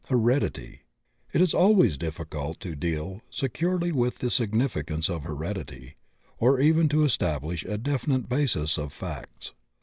HEREDITY. It is always difficult to deal securely with the significance of heredity, or even to establish a definite basis of facts.